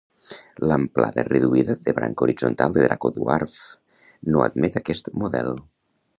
L'amplada reduïda de branca horitzontal de Draco Dwarf no admet aquest model